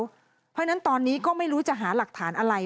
เพราะฉะนั้นตอนนี้ก็ไม่รู้จะหาหลักฐานอะไร